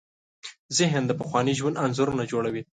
ذهن د پخواني ژوند انځورونه جوړوي.